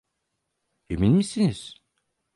Emin misiniz?